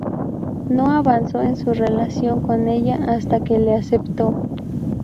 No avanzó en su relación con ella hasta que le aceptó.